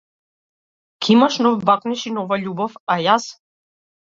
Ќе имаш нов бакнеж и нова љубов, а јас?